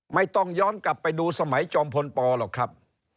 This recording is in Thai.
ไม่ต้องย้อนกลับไปดูสมัยจอมพลปหรอกครับ